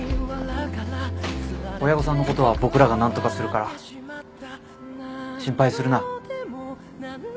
親御さんのことは僕らが何とかするから心配するな。